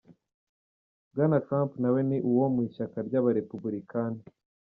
Bwana Trump na we ni uwo mu ishyaka ry'abarepubulikani.